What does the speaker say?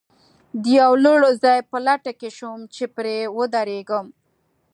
د یوه لوړ ځای په لټه کې شوم، چې پرې ودرېږم.